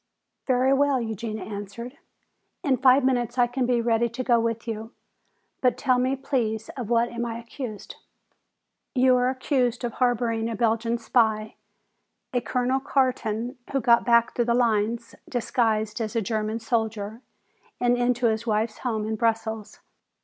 "Very well," Eugenia answered. "In five minutes I can be ready to go with you. But tell me, please, of what I am accused." "You are accused of harboring a Belgian spy, a Colonel Carton, who got back through the lines, disguised as a German soldier and into his wife's home in Brussels.